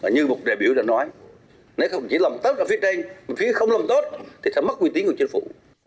như một đề biểu đã nói nếu không chỉ làm tốt ở phía trên phía không làm tốt thì sẽ mất nguy tín của chính phủ